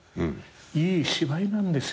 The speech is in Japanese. いい芝居なんですよ。